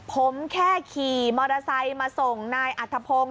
ผมแค่ขี่มอเตอร์ไซค์มาส่งนายอัธพงศ์